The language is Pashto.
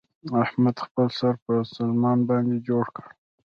احمد خپل سر په سلمان باندې جوړ کړ.